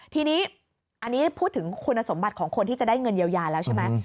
ทีนี้อันนี้พูดถึงคุณสมบัติของคนที่จะได้เงินเยียวยาแล้วใช่ไหม